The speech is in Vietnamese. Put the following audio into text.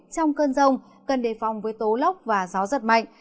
trong cơn rông cơn đề phòng với tố lóc và gió rất mạnh